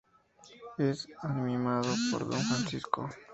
Es animado por Don Francisco.